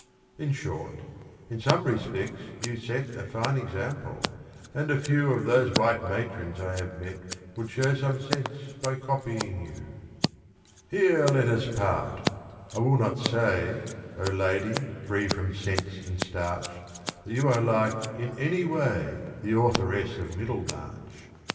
In short, in some respects you set A fine example; and a few Of those white matrons I have met Would show some sense by copying you. Here let us part! I will not say, O lady free from scents and starch, That you are like, in any way, The authoress of "Middlemarch".